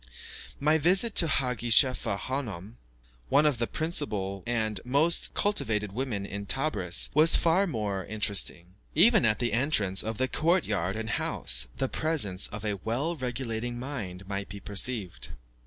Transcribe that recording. My visit to Haggi Chefa Hanoum, one of the principal and most cultivated women in Tebris, was far more interesting. Even at the entrance of the court yard and house, the presence of a well regulating mind might be perceived.